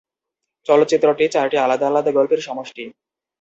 চলচ্চিত্রটি চারটি আলাদা আলাদা গল্পের সমষ্টি।